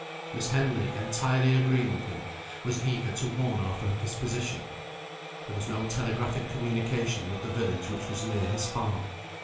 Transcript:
Miss Henley, entirely agreeing with him, was eager to warn Arthur of his position. There was no telegraphic communication with the village which was near his farm.